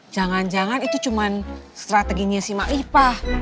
jangan jangan itu cuman strateginya si mak lipa